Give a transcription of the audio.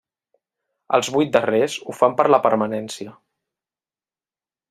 Els vuit darrers ho fan per la permanència.